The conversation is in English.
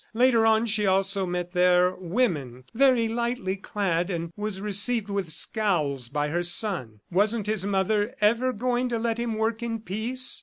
... Later on she also met there women, very lightly clad, and was received with scowls by her son. Wasn't his mother ever going to let him work in peace?